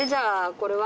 これは？